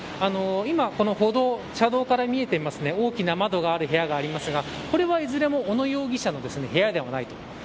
今、車道から見えている大きな窓が見えている部屋がありますがこれはいずれも、小野容疑者の部屋ではありません。